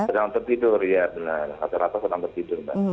sedang tertidur ya benar rata rata sedang tertidur mbak